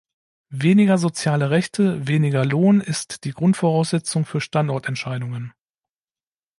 Weniger soziale Rechte, weniger Lohn ist die Grundvoraussetzung für Standortentscheidungen.